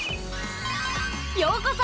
ようこそ！